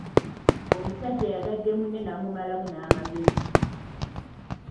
Omusajja ayagadde munne n’amumalamu n’amagezi.